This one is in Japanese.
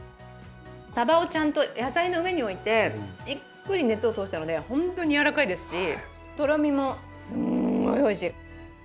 さばをちゃんと野菜の上に置いて、じっくり熱を通したので本当にやわらかいですし、とろみもすんごいおいしい。